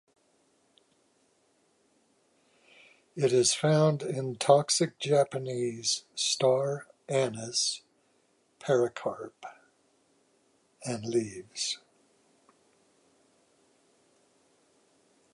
It is found in toxic Japanese star anise pericarp and leaves.